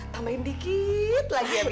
tambahin dikit lagi ya dia